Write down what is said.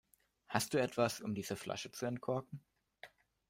Hast du etwas, um diese Flasche zu entkorken?